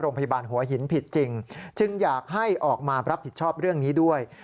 โรงพยาบาลหัวหินผิดจริงจึงอยากให้ออกมารับผิดชอบเรื่องนี้ด้วย